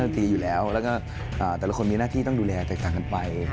แต่ละคนมีหน้าที่ต้องดูแลแตกต่างหันไป